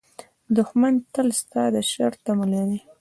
دښمن تل ستا د شر تمه لري